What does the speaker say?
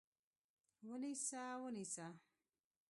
ونیسه! ونیسه!